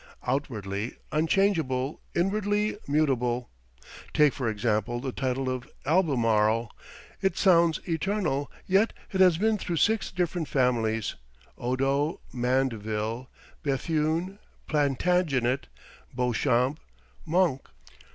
Outwardly, unchangeable; inwardly, mutable. Take, for example, the title of Albemarle. It sounds eternal. Yet it has been through six different families Odo, Mandeville, Bethune, Plantagenet, Beauchamp, Monck.